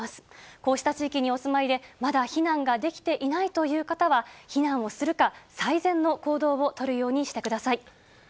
こうした地域にお住まいで、まだ避難ができていないという方は、避難をするか、最善の行動を取るようにしてください。